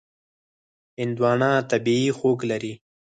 هندوانه طبیعي خوږ لري.